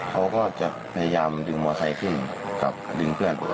เขาก็จะพยายามดึงมอไซค์ขึ้นกับดึงเพื่อนผม